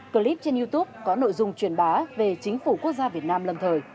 clip trên youtube có nội dung truyền bá về chính phủ quốc gia việt nam lâm thời